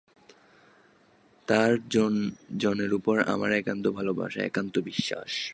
তাঁর জনের উপর আমার একান্ত ভালবাসা, একান্ত বিশ্বাস।